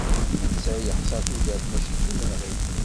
Netta yeḥsa tudert maci d imenɣi.